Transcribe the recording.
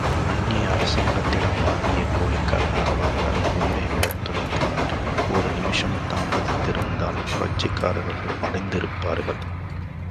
அந்நிய அரசாங்கத்திடம் வாங்கிய கூலிக்காக அவர்கள் உயிரை விடத் துணிந்து நின்றனர் ஒரு நிமிஷம் தாமதித்திருந்திருந்தால் புரட்சிக்காரர்கள் மடிந்திருப்பார்கள்.